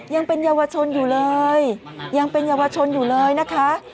ยังเป็นเยาวชนอยู่เลยนะคะ